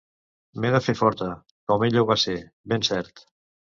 M’he de fer forta, com ella ho va ser, ben cert.